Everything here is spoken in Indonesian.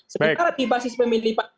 sementara di basis pemilih pak